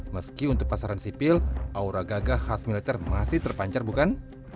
meski untuk pasaran sipil aura gagah khas militer masih terpancar bukan